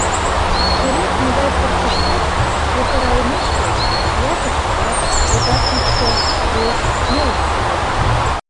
Керек-могай пырчыштат, йытыраймешке, ятыр пурак, уда кичке, рок, молат улыт.